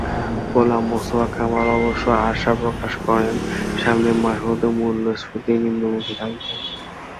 গোলাম মোস্তফা কামাল অবশ্য আশা প্রকাশ করেন, সামনের মাসগুলোতে মূল্যস্ফীতি নিম্নমুখী থাকবে।